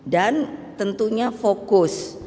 dan tentunya fokus